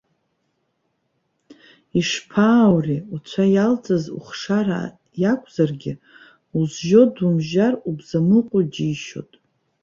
Ишԥааури, уцәа иалҵыз ухшара иакәзаргьы, узжьо думжьар, убзамыҟәу џьишьоит.